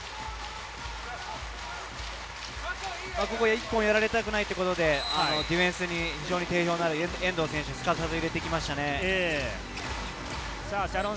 １本やられたくないということでディフェンスに定評がある遠藤選手をすかさず入れてきましたね。